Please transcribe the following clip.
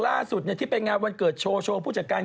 ล่าสุดที่ไปงานวันเกิดโชว์โชว์ผู้จัดการ